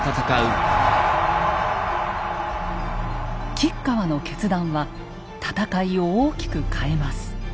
吉川の決断は戦いを大きく変えます。